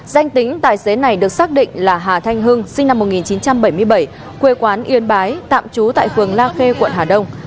danh tính tài xế này được xác định là hà thanh hưng sinh năm một nghìn chín trăm bảy mươi bảy quê quán yên bái tạm trú tại phường la khê quận hà đông